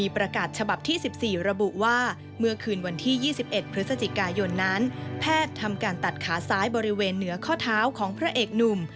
พฤศจิกายนนั้นแพทย์ทำการตัดขาซ้ายบริเวณเหนือข้อเท้าของพระเอกหนุ่ม